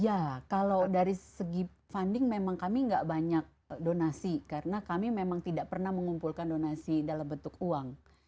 ya kalau dari segi funding memang kami nggak banyak donasi karena kami memang tidak pernah mengumpulkan donasi dalam bentuk uang